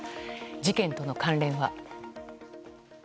事件との関連は？